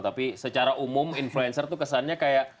tapi secara umum influencer tuh kesannya kayak